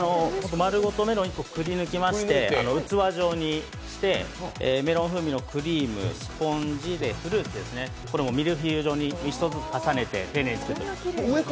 まるごとメロン１個くりぬきまして器状にして、メロン風味のクリーム、スポンジ、フルーツ、ミルフィーユ状に重ねて丁寧に作ると。